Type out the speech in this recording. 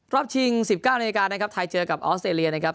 รอบชิง๑๙นิวนาทีนะครับไทยเจอกับออสเตรียนะครับ